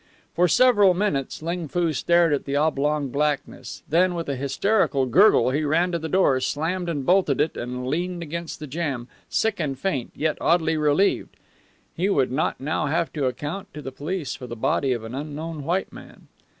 For several minutes Ling Foo stared at the oblong blackness; then with a hysterical gurgle he ran to the door, slammed and bolted it, and leaned against the jamb, sick and faint, yet oddly relieved. He would not now have to account to the police for the body of an unknown white man.